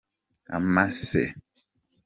amase.